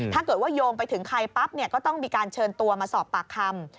ถ้าเกิดว่าโยงไปถึงใครปั๊บเนี่ยก็ต้องมีการเชิญตัวมาสอบปากคำ